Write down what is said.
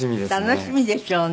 楽しみでしょうね。